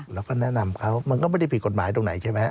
เราก็แนะนำเขามันก็ไม่ได้ผิดกฎหมายตรงไหนใช่ไหม